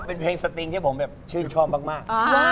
เป็นเพลงสติงที่ผมแบบชื่นชอบมาก